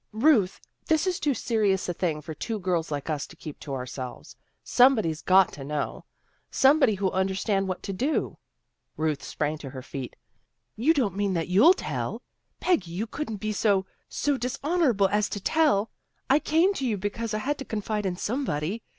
" Ruth, this is too serious a thing for two girls like us to keep to ourselves. Somebody's got to know, somebody who'll understand what to do." Ruth sprang to her feet. ' You don't mean that you'll tell. Peggy, you couldn't be so so dishonorable as to tell. I came to you because I had to confide in somebody.